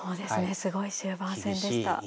すごい終盤戦でした。